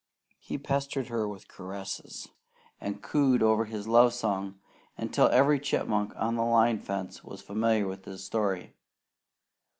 He pestered her with caresses and cooed over his love song until every chipmunk on the line fence was familiar with his story.